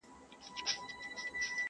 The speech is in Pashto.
بل ځوان وايي موږ بايد له دې ځایه لاړ سو,